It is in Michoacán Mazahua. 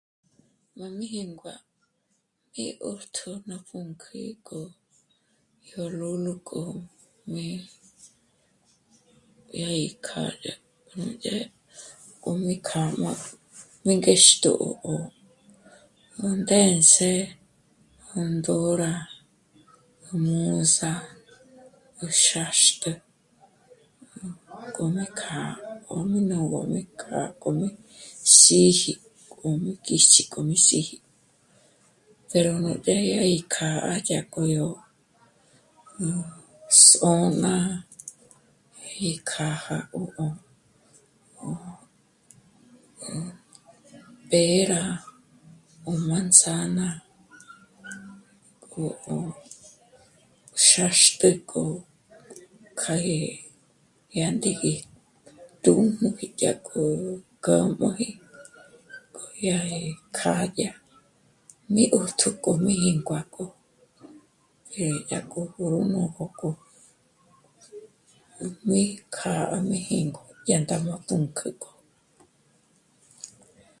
Má mí jíngua e 'ṓtjō ná pǔnk'ü k'o yó lúlu k'o mè'e yá í kjâ'a yá núdya k'o mí kjâ'a má mí ngéxtjo 'ó, 'ó, ó ndë̌nsje, ó ndǒra, ó mǔza, ó xáxtü, k'òjmé kjâ'a, ó mí nògojmé k'a k'òjme xíji k'òjmé kíschi k'o mí síji pero nudyá yá í k'â'a dyák'o yó nú s'ô'n'a, í kjâja 'ó, 'ó, 'ó pera, ó manzana, k'o xáxtük'ö kja gé yá ndéji tū́jmüji yá kǔ'u k'a móji k'o yá gí kjâ'a dyá mí 'ṓtjō k'o mí jínguak'o dyá í yá k'ójo nú jók'o mí kjâ'a, mí jíngo yá ndá má pǔnk'ük'o